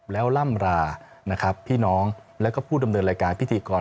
แล้วล่ำรานะครับพี่น้องแล้วก็ผู้ดำเนินรายการพิธีกร